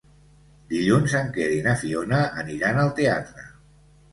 Dilluns en Quer i na Fiona aniran al teatre.